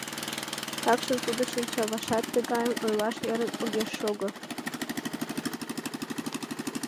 Такшым тудо шинчавашат тыгайым ойлаш ӧрын огеш шого.